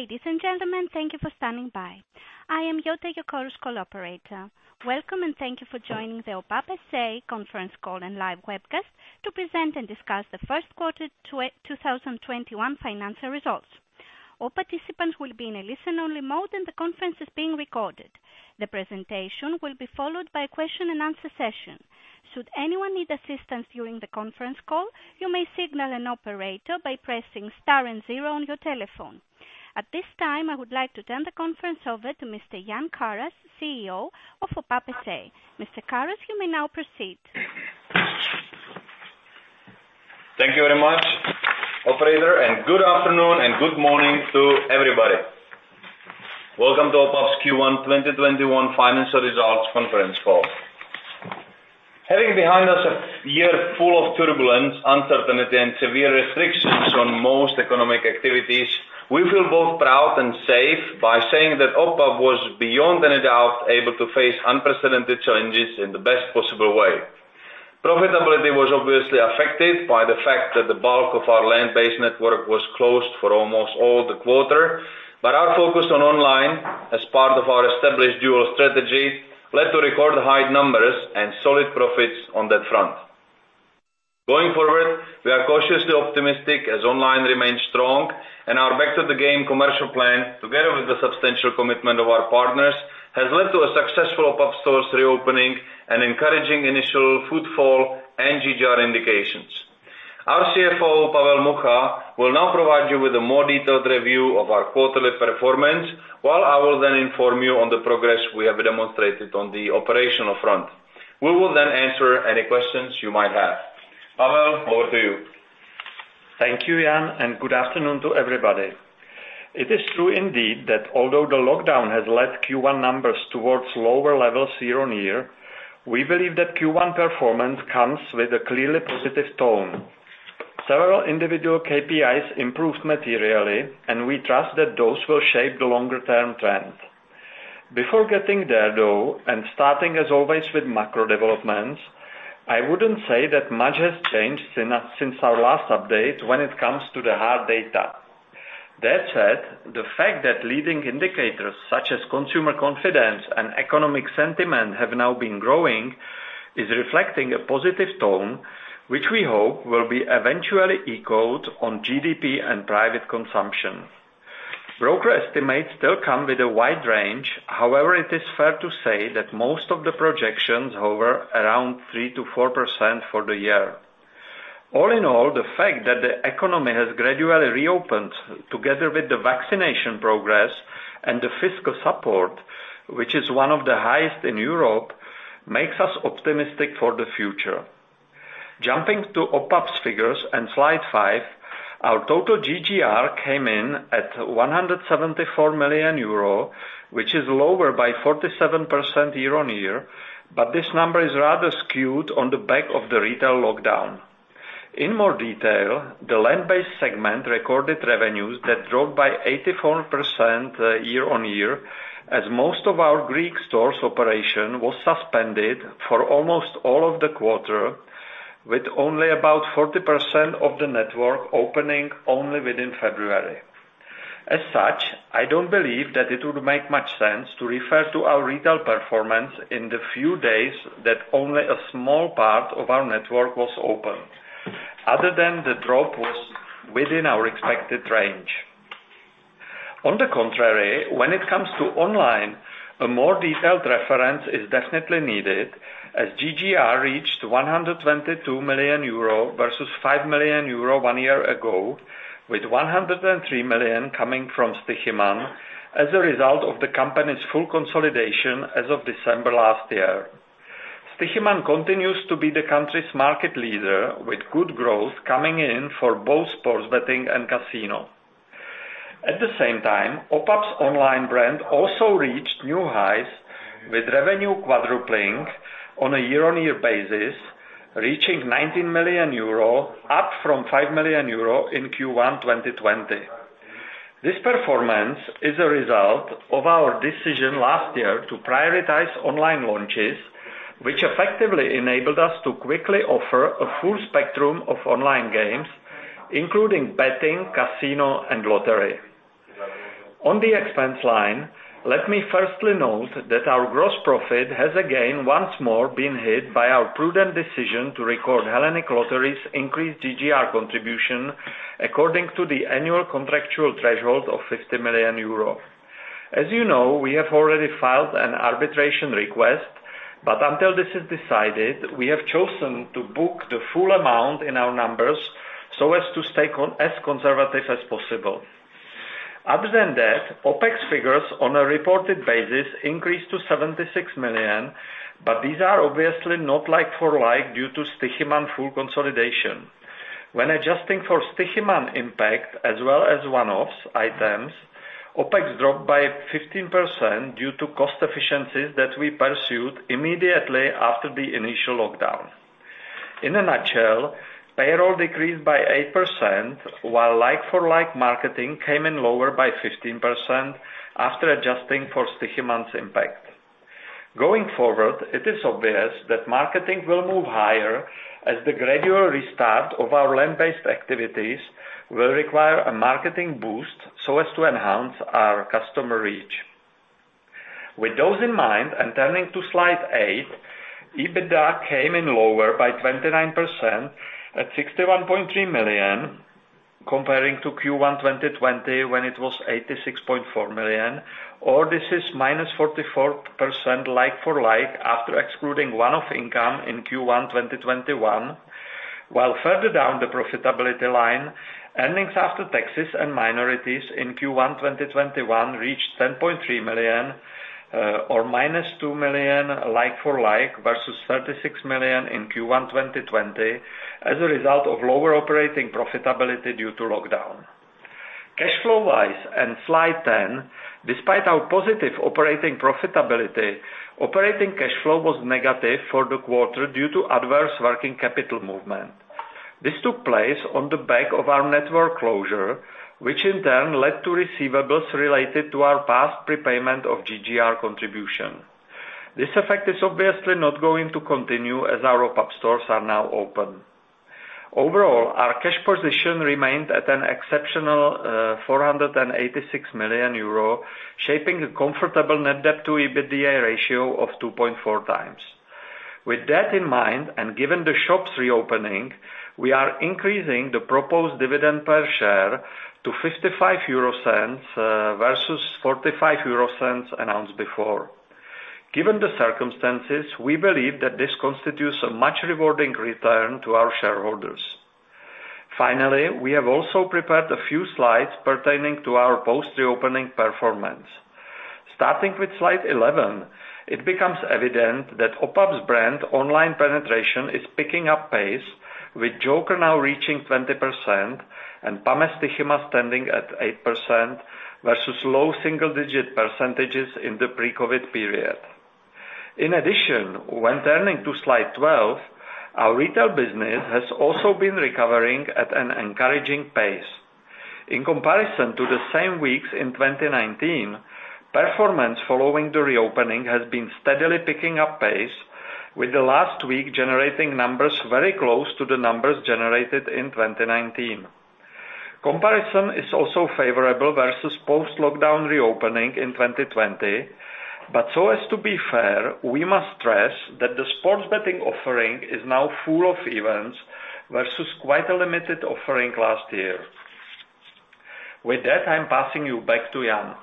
Ladies and gentlemen, thank you for standing by. I am your teleconference call operator. Welcome, and thank you for joining the OPAP S.A. conference call and live webcast to present and discuss the first quarter 2021 financial results. All participants will be in a listen-only mode and the conference is being recorded. The presentation will be followed by a question and answer session. Should anyone need assistance during the conference call, you may signal an operator by pressing star and zero on your telephone. At this time, I would like to turn the conference over to Mr. Jan Karas, CEO of OPAP S.A. Mr. Karas, you may now proceed. Thank you very much, operator. Good afternoon and good morning to everybody. Welcome to OPAP's Q1 2021 financial results conference call. Having behind us a year full of turbulence, uncertainty, and severe restrictions on most economic activities, we feel both proud and safe by saying that OPAP was beyond any doubt able to face unprecedented challenges in the best possible way. Profitability was obviously affected by the fact that the bulk of our land-based network was closed for almost all the quarter, our focus on online as part of our established dual strategy led to record high numbers and solid profits on that front. Going forward, we are cautiously optimistic as online remains strong and our back to the game commercial plan, together with the substantial commitment of our partners, has led to a successful OPAP stores reopening and encouraging initial footfall and GGR indications. Our CFO, Pavel Mucha, will now provide you with a more detailed review of our quarterly performance, while I will then inform you on the progress we have demonstrated on the operational front. We will then answer any questions you might have. Pavel, over to you. Thank you, Jan. Good afternoon to everybody. It is true indeed that although the lockdown has led Q1 numbers towards lower levels year-on-year, we believe that Q1 performance comes with a clearly positive tone. Several individual KPIs improved materially, and we trust that those will shape the longer-term trends. Before getting there, though, and starting as always with macro developments, I wouldn't say that much has changed since our last update when it comes to the hard data. That said, the fact that leading indicators such as consumer confidence and economic sentiment have now been growing is reflecting a positive tone, which we hope will be eventually echoed on GDP and private consumption. Broker estimates still come with a wide range. However, it is fair to say that most of the projections hover around 3% to 4% for the year. All in all, the fact that the economy has gradually reopened together with the vaccination progress and the fiscal support, which is one of the highest in Europe, makes us optimistic for the future. Jumping to OPAP's figures on Slide 5, our total GGR came in at 174 million euro, which is lower by 47% year-on-year. This number is rather skewed on the back of the retail lockdown. In more detail, the land-based segment recorded revenues that dropped by 84% year-on-year as most of our Greek stores operation was suspended for almost all of the quarter, with only about 40% of the network opening only within February. As such, I don't believe that it would make much sense to refer to our retail performance in the few days that only a small part of our network was open, other than the drop was within our expected range. On the contrary, when it comes to online, a more detailed reference is definitely needed as GGR reached 122 million euro versus 5 million euro one year ago, with 103 million coming from Stoiximan as a result of the company's full consolidation as of December last year. Stoiximan continues to be the country's market leader with good growth coming in for both sports betting and casino. At the same time, OPAP's online brand also reached new highs with revenue quadrupling on a year-on-year basis, reaching 19 million euro, up from 5 million euro in Q1 2020. This performance is a result of our decision last year to prioritize online launches, which effectively enabled us to quickly offer a full spectrum of online games, including betting, casino, and lottery. On the expense line, let me firstly note that our gross profit has again once more been hit by our prudent decision to record Hellenic Lotteries' increased GGR contribution according to the annual contractual threshold of 50 million euros. As you know, we have already filed an arbitration request. Until this is decided, we have chosen to book the full amount in our numbers so as to stay as conservative as possible. Other than that, OpEx figures on a reported basis increased to 76 million. These are obviously not like-for-like due to Stoiximan full consolidation. When adjusting for Stoiximan impact as well as one-off items, OpEx dropped by 15% due to cost efficiencies that we pursued immediately after the initial lockdown. In a nutshell, payroll decreased by 8%, while like-for-like marketing came in lower by 15% after adjusting for Stoiximan's impact. Going forward, it is obvious that marketing will move higher as the gradual restart of our land-based activities will require a marketing boost so as to enhance our customer reach. With those in mind and turning to Slide 8, EBITDA came in lower by 29% at 61.3 million, comparing to Q1 2020 when it was 86.4 million, or this is -44% like-for-like after excluding one-off income in Q1 2021. Further down the profitability line, earnings after taxes and minorities in Q1 2021 reached 10.3 million or -2 million like-for-like versus 36 million in Q1 2020 as a result of lower operating profitability due to lockdown. Cash flow-wise and Slide 10, despite our positive operating profitability, operating cash flow was negative for the quarter due to adverse working capital movement. This took place on the back of our network closure, which in turn led to receivables related to our past prepayment of GGR contribution. This effect is obviously not going to continue as our OPAP stores are now open. Overall, our cash position remained at an exceptional 486 million euro, shaping the comfortable net debt to EBITDA ratio of 2.4x. With that in mind and given the shops reopening, we are increasing the proposed dividend per share to 0.55 versus 0.45 announced before. Given the circumstances, we believe that this constitutes a much rewarding return to our shareholders. Finally, we have also prepared a few slides pertaining to our post-reopening performance. Starting with Slide 11, it becomes evident that OPAP's brand online penetration is picking up pace with Joker now reaching 20% and Pamestoixima standing at 8% versus low single-digit percentages in the pre-COVID period. In addition, when turning to Slide 12, our retail business has also been recovering at an encouraging pace. In comparison to the same weeks in 2019, performance following the reopening has been steadily picking up pace with the last week generating numbers very close to the numbers generated in 2019. Comparison is also favorable versus post-lockdown reopening in 2020, but so as to be fair we must stress that the sports betting offering is now full of events versus quite a limited offering last year. With that, I'm passing you back to Jan.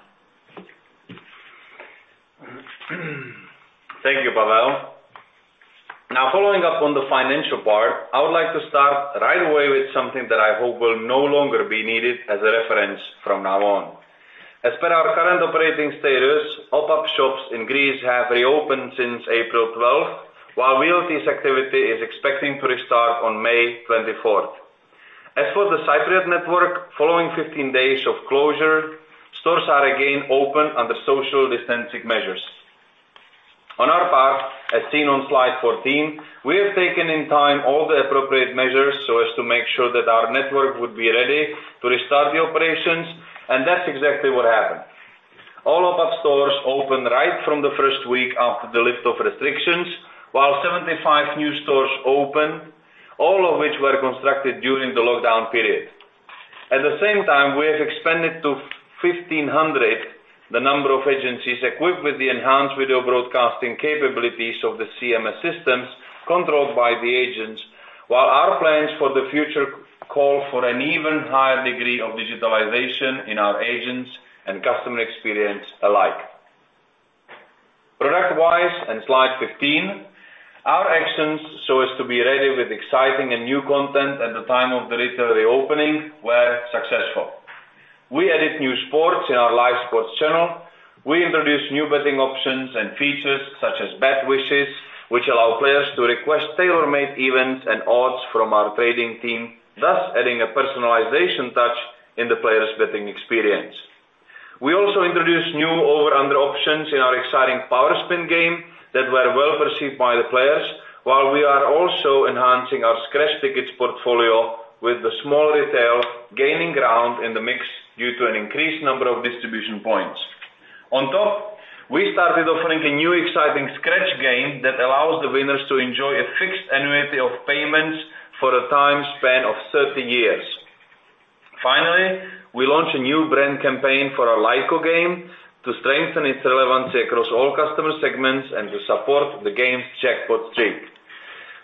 Thank you, Pavel. Following up on the financial part, I would like to start right away with something that I hope will no longer be needed as a reference from now on. As per our current operating status, OPAP shops in Greece have reopened since April 12th, while VLTs activity is expecting to restart on May 24th. As for the Cypriot network, following 15 days of closure, stores are again open under social distancing measures. On our part, as seen on Slide 14, we have taken in time all the appropriate measures so as to make sure that our network would be ready to restart the operations and that's exactly what happened. All OPAP stores opened right from the first week after the lift of restrictions, while 75 new stores opened, all of which were constructed during the lockdown period. At the same time, we have expanded to 1,500 the number of agencies equipped with the enhanced video broadcasting capabilities of the CMS systems controlled by the agents, while our plans for the future call for an even higher degree of digitalization in our agents and customer experience alike. Product-wise, and Slide 15, our actions so as to be ready with exciting and new content at the time of the retail reopening were successful. We added new sports in our live sports channel. We introduced new betting options and features such as Bet Wishes, which allow players to request tailor-made events and odds from our trading team, thus adding a personalization touch in the player's betting experience. We also introduced new over under options in our exciting Powerspin game that were well-perceived by the players, while we are also enhancing our scratch tickets portfolio with the small retail gaining ground in the mix due to an increased number of distribution points. On top, we started offering a new exciting scratch game that allows the winners to enjoy a fixed annuity of payments for a time span of 30 years. Finally, we launched a new brand campaign for our Laiko game to strengthen its relevancy across all customer segments and to support the game's jackpot streak.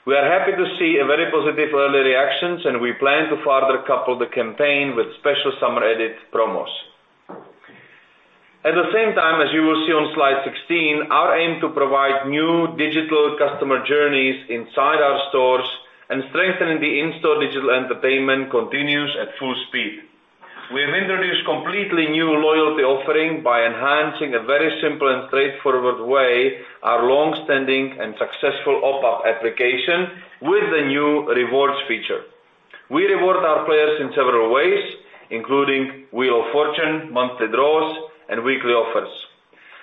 We are happy to see very positive early reactions, and we plan to further couple the campaign with special summer edit promos. At the same time as you will see on Slide 16, our aim to provide new digital customer journeys inside our stores and strengthen the in-store digital entertainment continues at full speed. We have introduced completely new loyalty offering by enhancing a very simple and straightforward way our long-standing and successful OPAP application with the new rewards feature. We reward our players in several ways, including Wheel of fortune, monthly draws, and weekly offers.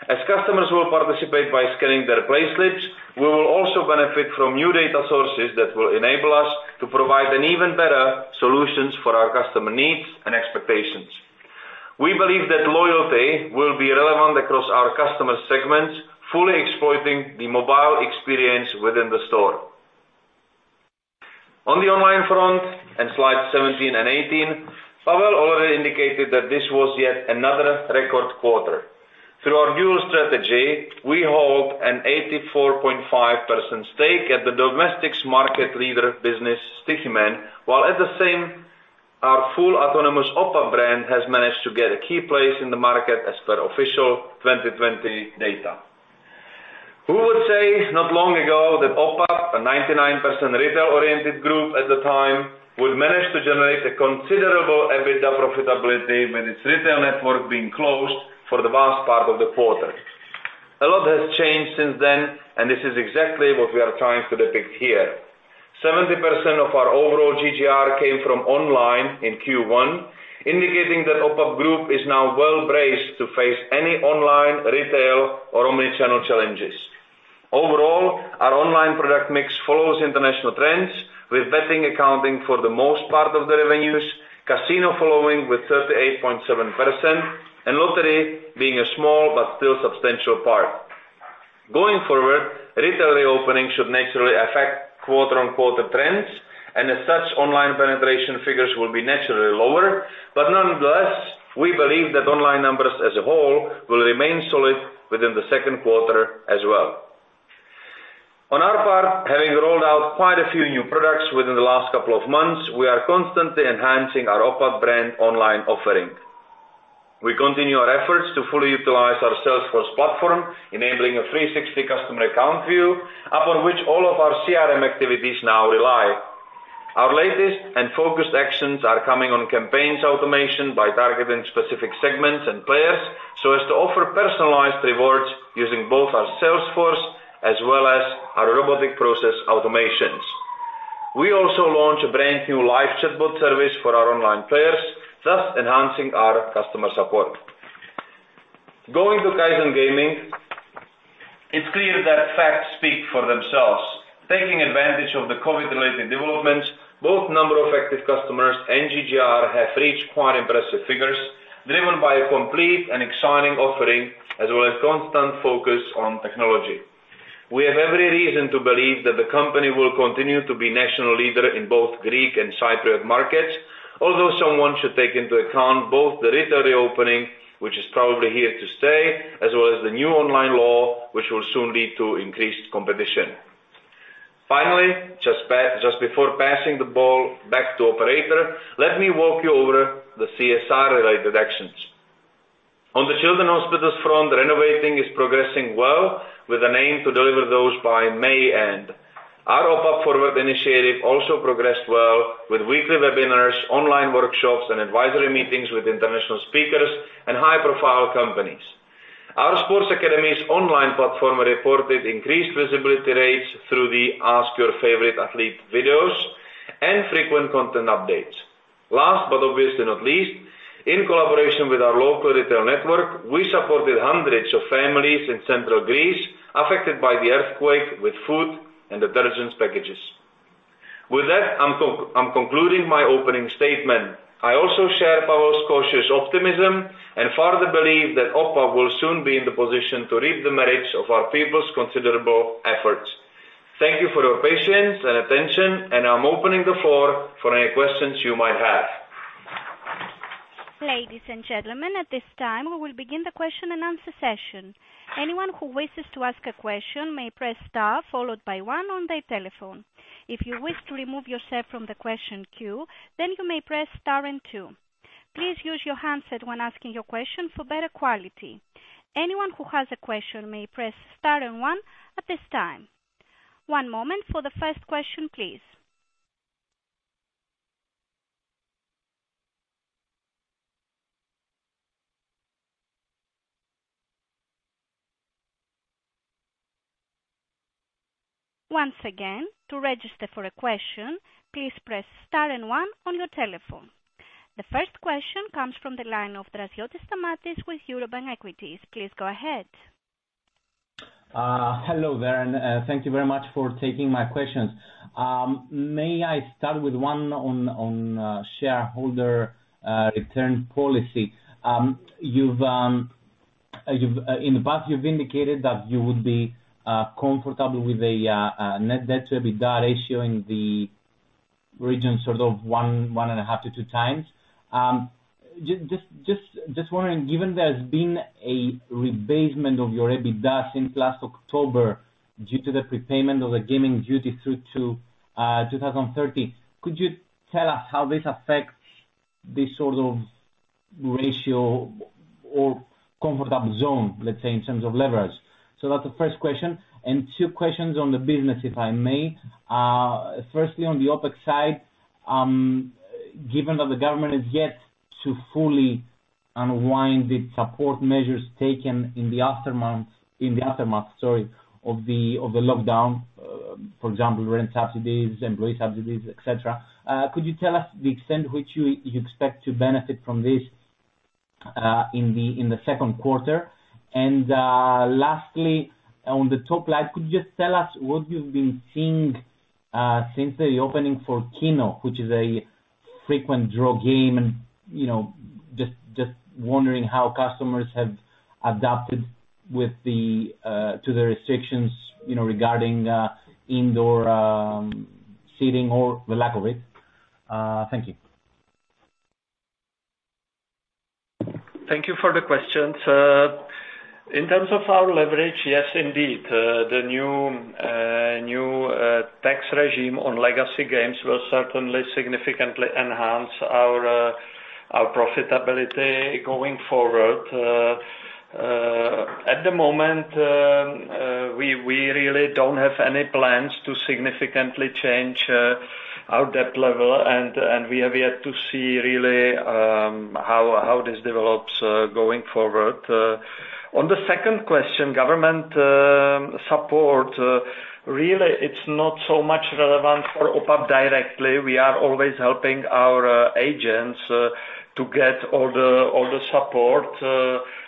As customers will participate by scanning their playslips, we will also benefit from new data sources that will enable us to provide an even better solutions for our customer needs and expectations. We believe that loyalty will be relevant across our customer segments, fully exploiting the mobile experience within the store. On the online front, in Slide 17 and 18, Pavel already indicated that this was yet another record quarter. Through our dual strategy, we hold an 84.5% stake at the domestic market leader business, Stoiximan, while at the same, our full autonomous OPAP brand has managed to get a key place in the market as per official 2020 data. Who would say not long ago that OPAP, a 99% retail-oriented group at the time, would manage to generate a considerable EBITDA profitability with its retail network being closed for the vast part of the quarter? A lot has changed since then, this is exactly what we are trying to depict here. 70% of our overall GGR came from online in Q1, indicating that OPAP Group is now well-braced to face any online, retail, or omni-channel challenges. Overall, our online product mix follows international trends, with betting accounting for the most part of the revenues, casino following with 38.7%, and lottery being a small but still substantial part. Going forward, retail reopening should naturally affect quarter-on-quarter trends, and as such, online penetration figures will be naturally lower. But nonetheless, we believe that online numbers as a whole will remain solid within the second quarter as well. On our part, having rolled out quite a few new products within the last couple of months, we are constantly enhancing our OPAP brand online offering. We continue our efforts to fully utilize our Salesforce platform, enabling a 360 customer account view, upon which all of our CRM activities now rely. Our latest and focused actions are coming on campaigns automation by targeting specific segments and players so as to offer personalized rewards using both our Salesforce as well as our robotic process automations. We also launched a brand new live chatbot service for our online players, thus enhancing our customer support. Going to Kaizen Gaming, it's clear that facts speak for themselves. Taking advantage of the COVID-related developments, both number of active customers and GGR have reached quite impressive figures, driven by a complete and exciting offering, as well as constant focus on technology. We have every reason to believe that the company will continue to be national leader in both Greek and Cypriot markets, although someone should take into account both the retail reopening, which is probably here to stay, as well as the new online law, which will soon lead to increased competition. Finally, just before passing the ball back to operator, let me walk you over the CSR-related actions. On the children hospitals front, renovating is progressing well, with an aim to deliver those by May end. Our OPAP Forward initiative also progressed well with weekly webinars, online workshops, and advisory meetings with international speakers and high-profile companies. Our sports academy's online platform reported increased visibility rates through the Ask Your Favorite Athlete videos and frequent content updates. Last but obviously not least, in collaboration with our local retail network, we supported hundreds of families in Central Greece affected by the earthquake with food and detergent packages. With that, I'm concluding my opening statement. I also share Pavel's cautious optimism and further believe that OPAP will soon be in the position to reap the merits of our people's considerable efforts. Thank you for your patience and attention, and I'm opening the floor for any questions you might have. Ladies and gentlemen, at this time we will begin the question and answer session. Anyone who wishes to ask a question may press star followed by one on their telephone. If you wish to remove yourself from the question queue then you may press star then two. Please use your handset while asking your questions for better quality. Anyone who has a question may press star and one at this time. One moment for the first question please. Once again to register for a question please press star and one on your telephone. The first question comes from the line of Stamatios Draziotis with Eurobank Equities. Please go ahead. Hello there, and thank you very much for taking my questions. May I start with one on shareholder return policy? In the past you've indicated that you would be comfortable with a net debt to EBITDA ratio in the region sort of 1.5x-2x. Just wondering, given there's been a rebasement of your EBITDA since last October due to the prepayment of the gaming duty through to 2030, could you tell us how this affects this sort of ratio or comfort zone, let's say, in terms of leverage? That's the first question. Two questions on the business, if I may. First on the OPAP side, given that the government has yet to fully unwind the support measures taken in the aftermath of the lockdown, for example, rent subsidies and wage subsidies, et cetera, could you tell us the extent to which you expect to benefit from this in the second quarter? Lastly, on the top line, could you just tell us what you've been seeing since the opening for Kino, which is a frequent draw game, just wondering how customers have adapted to the restrictions regarding indoor seating or the lack of it. Thank you. Thank you for the question, sir. In terms of our leverage, yes, indeed, the new tax regime on legacy games will certainly significantly enhance our profitability going forward. At the moment, we really don't have any plans to significantly change our debt level, and we have yet to see really how this develops going forward. On the second question, government support, really, it's not so much relevant for OPAP directly. We are always helping our agents to get all the support.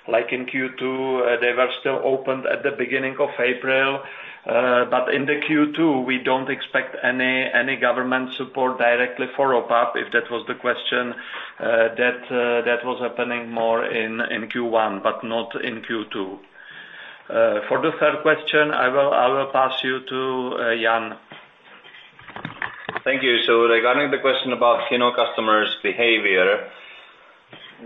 Like in Q2, they were still opened at the beginning of April. In the Q2, we don't expect any government support directly for OPAP, if that was the question. That was happening more in Q1, but not in Q2. For the third question, I will pass you to Jan. Thank you. Regarding the question about Kino customers' behavior,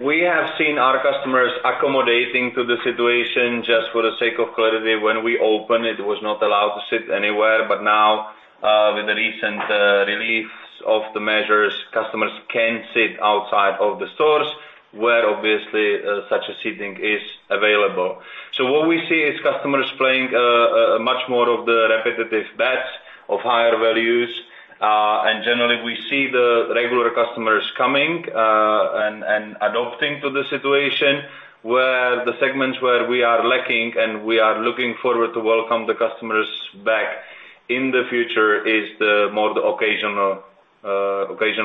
we have seen our customers accommodating to the situation. Just for the sake of clarity, when we opened, it was not allowed to sit anywhere, but now, with the recent release of the measures, customers can sit outside of the stores where obviously such a seating is available. What we see is customers playing much more of the repetitive bets of higher values. Generally, we see the regular customers coming and adopting to the situation where the segments where we are lacking and we are looking forward to welcome the customers back in the future is the more occasional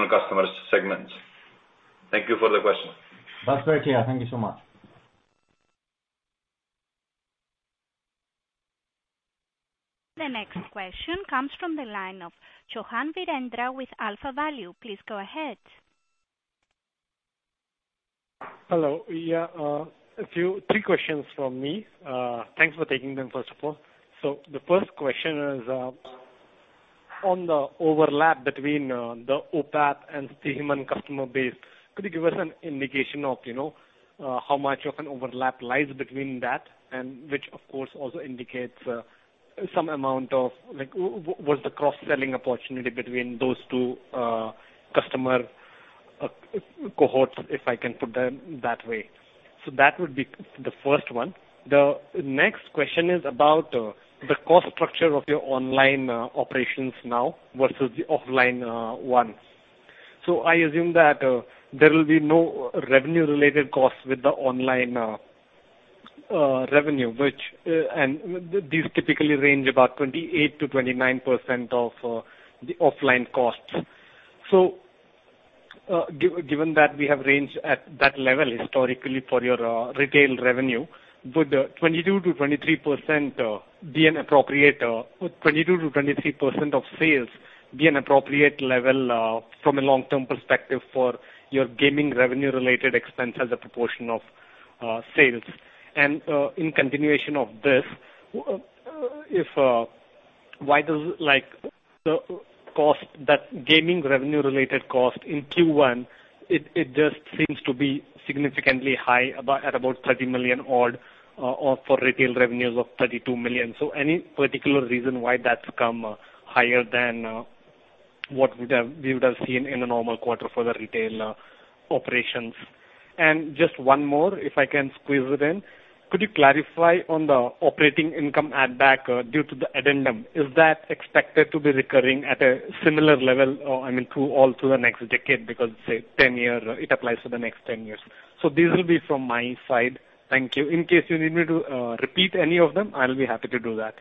customers segments. Thank you for the question. That's very clear. Thank you so much. The next question comes from the line of Johan Birendra with Alpha Value. Please go ahead. Hello. Yeah, three questions from me. Thanks for taking them, first of all. The first question is on the overlap between the OPAP and the Stoiximan customer base. Could you give us an indication of how much of an overlap lies between that and which, of course, also indicates some amount of what the cross-selling opportunity between those two customer cohorts, if I can put them that way? That would be the first one. The next question is about the cost structure of your online operations now versus the offline one. I assume that there will be no revenue-related costs with the online revenue, and these typically range about 28%-29% of the offline costs. Given that we have ranged at that level historically for your retail revenue, would 22%-23% be an appropriate, 22%-23% of sales be an appropriate level from a long-term perspective for your gaming revenue-related expense as a proportion of sales? In continuation of this, why does the gaming revenue-related cost in Q1, it just seems to be significantly high at about 30 million odd or for retail revenues of 32 million. Any particular reason why that's come higher than what we would have seen in a normal quarter for the retail operations? Just one more, if I can squeeze it in. Could you clarify on the operating income add back due to the addendum? Is that expected to be recurring at a similar level and through also the next decade because, say, 10 year, it applies for the next 10 years? These will be from my side. Thank you. In case you need me to repeat any of them, I will be happy to do that.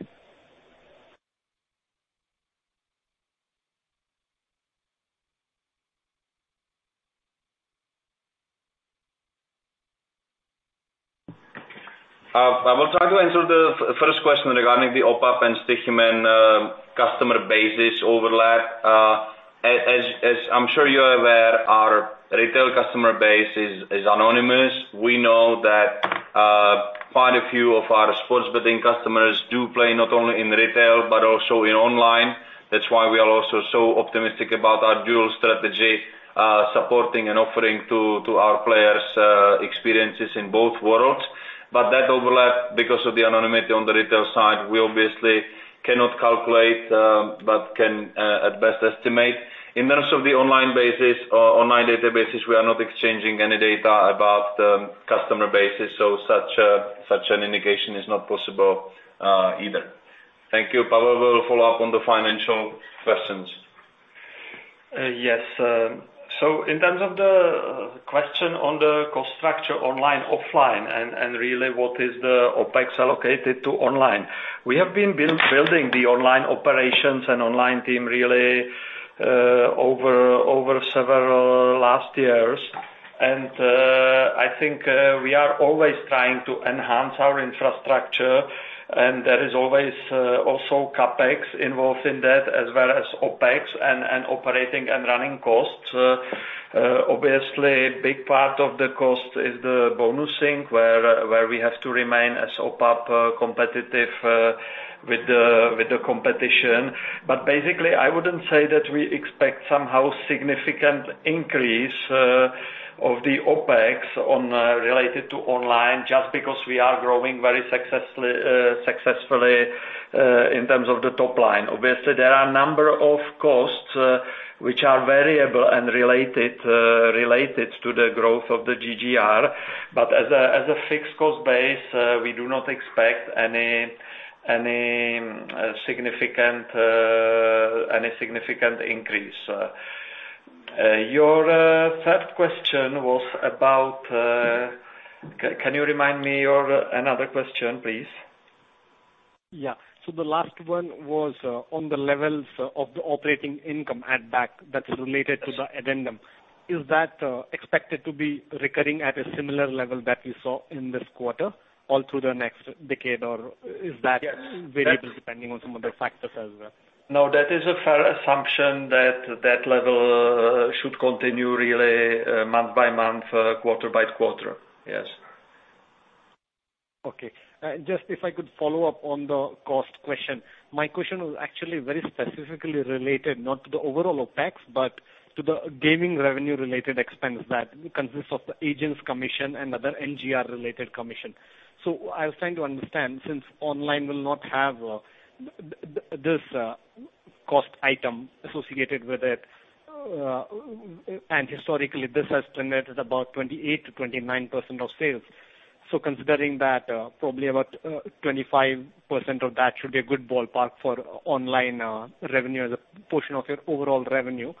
I will try to answer the first question regarding the OPAP and Stoiximan customer bases overlap. As I'm sure you're aware, our retail customer base is anonymous. We know that quite a few of our sports betting customers do play not only in retail but also in online. That's why we are also so optimistic about our dual strategy, supporting and offering to our players experiences in both worlds. That overlap, because of the anonymity on the retail side, we obviously cannot calculate, but can at best estimate. In terms of the online databases, we are not exchanging any data about the customer bases, so such an indication is not possible either. Thank you. Pavel will follow up on the financial questions. Yes. In terms of the question on the cost structure online, offline, and really what is the OpEx allocated to online. We have been building the online operations and online team really over several last years. I think we are always trying to enhance our infrastructure, and there is always also CapEx involved in that, as well as OpEx and operating and running costs. Obviously, a big part of the cost is the bonusing, where we have to remain as OPAP competitive with the competition. Basically, I wouldn't say that we expect somehow significant increase of the OpEx related to online just because we are growing very successfully in terms of the top line. Obviously, there are a number of costs which are variable and related to the growth of the GGR. As a fixed cost base, we do not expect any significant increase. Can you remind me your another question, please? Yeah. The last one was on the levels of the operating income add back that's related to the addendum. Is that expected to be recurring at a similar level that you saw in this quarter all through the next decade- Yes.... varying depending on some other factors as well? No, that is a fair assumption that level should continue really month-by-month, quarter-by-quarter. Yes. Just if I could follow up on the cost question. My question was actually very specifically related, not to the overall OpEx, but to the gaming revenue-related expense that consists of the agent's commission and other NGR-related commission. I was trying to understand, since online will not have this cost item associated with it, and historically, this has trended at about 28%-29% of sales. Considering that probably about 25% of that should be a good ballpark for online revenue as a portion of your overall revenue,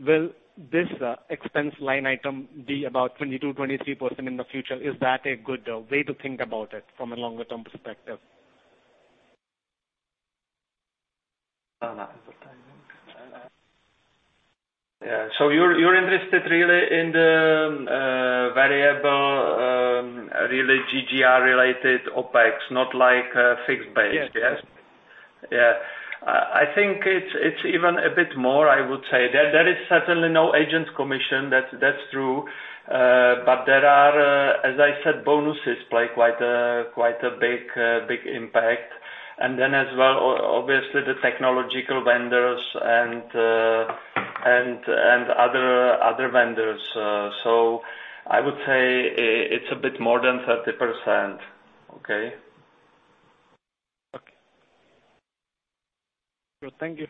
will this expense line item be about 22%-23% in the future? Is that a good way to think about it from a longer-term perspective? Yeah. You're interested really in the variable GGR-related OpEx, not like fixed base, yes? Yes. Yeah. I think it's even a bit more, I would say. There is certainly no agent commission, that's true. There are, as I said, bonuses play quite a big impact. As well, obviously the technological vendors and other vendors. I would say it's a bit more than 30%. Okay? Okay. Thank you.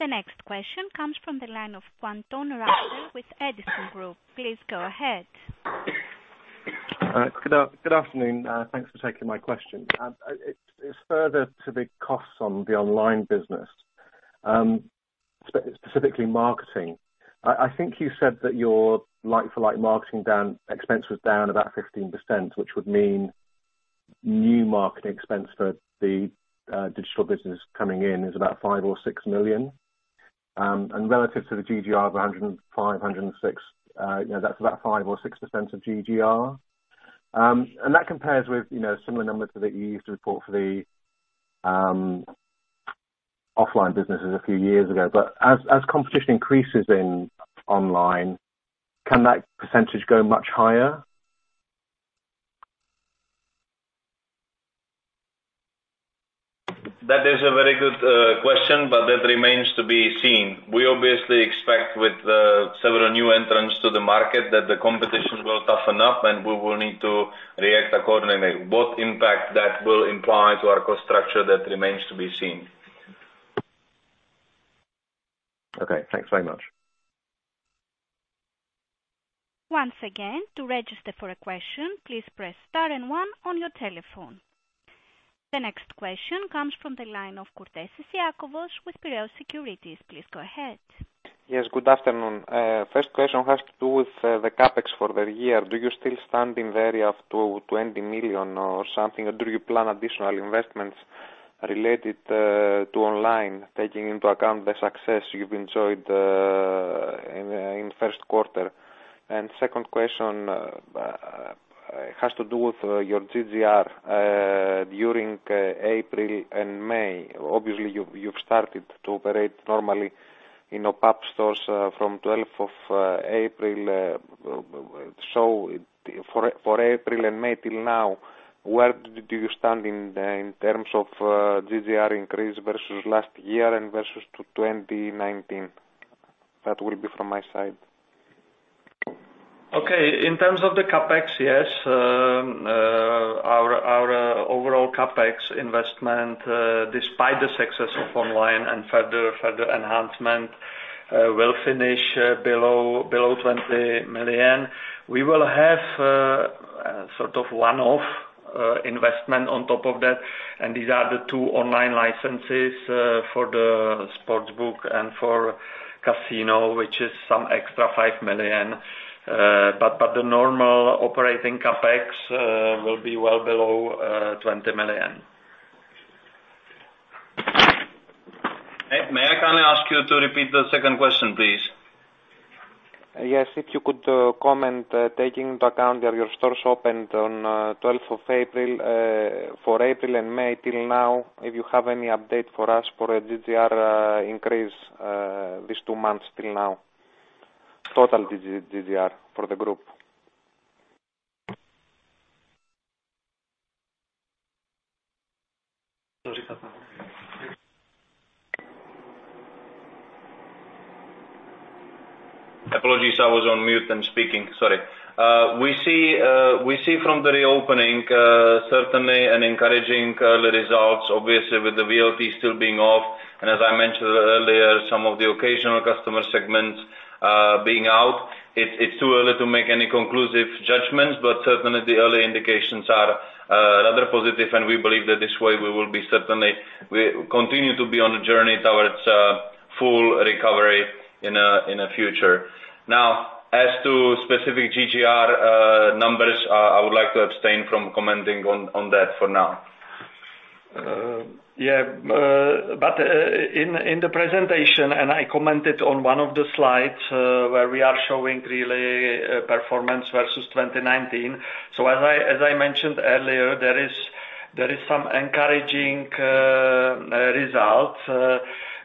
The next question comes from the line of Russell Pointon with Edison Group. Please go ahead. Good afternoon. Thanks for taking my question. It's further to the costs on the online business, specifically marketing. I think you said that your like-for-like marketing expense was down about 15%, which would mean new marketing expense for the digital business coming in is about 5 million or 6 million. Relative to the GGR of 105, 106, that's about 5% or 6% of GGR. That compares with similar numbers that you used, reportedly, offline businesses a few years ago. As competition increases in online, can that percentage go much higher? That is a very good question, but that remains to be seen. We obviously expect with several new entrants to the market that the competition will toughen up and we will need to react accordingly. What impact that will imply to our cost structure, that remains to be seen. Okay, thanks very much. Once again to register for a question please press star and one on your telephone. The next question comes from the line of Iakovos Kourtesis with Piraeus Securities S.A. Please go ahead. Yes, good afternoon. First question has to do with the CapEx for the year. Do you still stand in the area of 20 million or something, or do you plan additional investments related to online, taking into account the success you've enjoyed in first quarter? Second question has to do with your GGR during April and May. Obviously, you've started to operate normally in OPAP stores from 12th of April. For April and May till now, where do you stand in terms of GGR increase versus last year and versus to 2019? That will be from my side. In terms of the CapEx, yes, our overall CapEx investment, despite the success of online and further enhancement, will finish below 20 million. We will have a sort of one-off investment on top of that, and these are the two online licenses for the sports book and for casino, which is some extra 5 million. The normal operating CapEx will be well below 20 million. May I ask you to repeat the second question, please? Yes. If you could comment, taking into account that your stores opened on 12th of April, for April and May till now, if you have any update for us for a GGR increase these two months till now? Total GGR for the group. Apologies, I was on mute and speaking, sorry. We see from the reopening certainly encouraging early results, obviously with the VLT still being off, and as I mentioned earlier, some of the occasional customer segments being out. It's too early to make any conclusive judgments, but certainly the early indications are rather positive, and we believe that this way we will certainly continue to be on the journey towards full recovery in the future. Now, as to specific GGR numbers, I would like to abstain from commenting on that for now. In the presentation, and I commented on one of the slides, where we are showing really performance versus 2019. As I mentioned earlier, there is some encouraging results.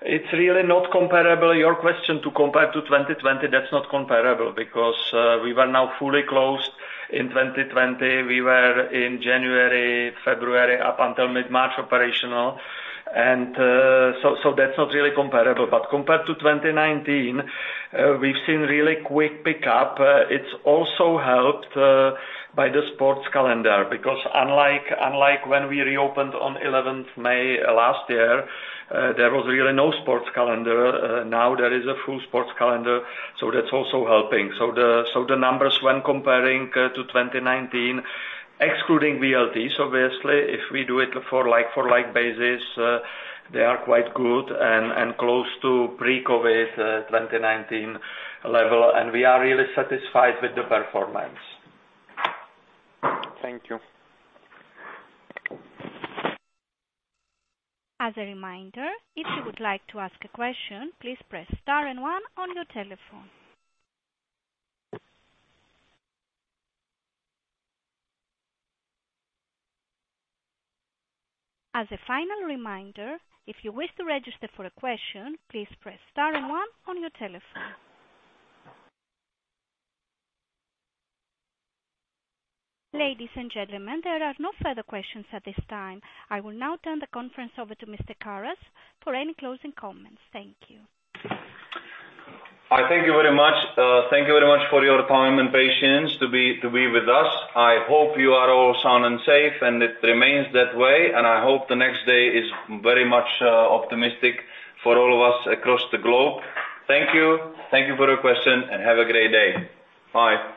It's really not comparable, your question to compare to 2020, that's not comparable because we were now fully closed in 2020. We were in January, February, up until mid-March, operational. That's not really comparable, but compared to 2019, we've seen really quick pickup. It's also helped by the sports calendar, because unlike when we reopened on 11th May last year, there was really no sports calendar. Now there is a full sports calendar, so that's also helping. The numbers when comparing to 2019, excluding VLTs, obviously, if we do it for like-for-like basis, they are quite good and close to pre-COVID 2019 level, and we are really satisfied with the performance. Thank you. As a reminder, if you would like to ask a question, please press star one on your telephone. As a final reminder, if you wish to register for a question, please press star one on your telephone. Ladies and gentlemen, there are no further questions at this time. I will now turn the conference over to Mr. Karas for any closing comments. Thank you. I thank you very much. Thank you very much for your time and patience to be with us. I hope you are all sound and safe, and it remains that way, and I hope the next day is very much optimistic for all of us across the globe. Thank you. Thank you for your question, and have a great day. Bye.